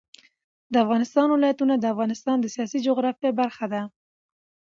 د افغانستان ولايتونه د افغانستان د سیاسي جغرافیه برخه ده.